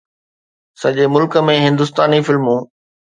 سڄي ملڪ ۾ هندستاني فلمون